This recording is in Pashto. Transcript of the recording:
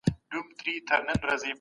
سياست نه يوازي پريکړه ده بلکي عمل هم دی.